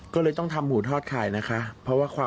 ก็เลยต้องทำหมูทอดขายนะคะ